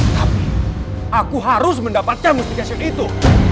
tapi aku harus mendapatkan mustigation itu